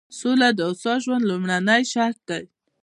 سوله د هوسا ژوند لومړنی شرط دی.